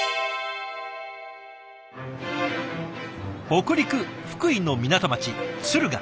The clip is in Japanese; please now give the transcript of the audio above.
北陸福井の港町敦賀。